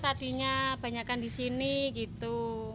tadinya banyakan di sini gitu